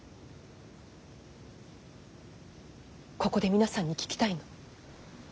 ここで皆さんに聞きたいの。